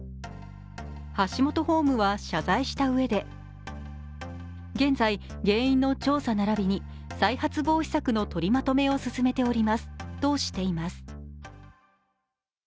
ハシモトホームは謝罪したうえで、現在原因の調査ならびに再発防止策の取りまとめを進めておりますとしています。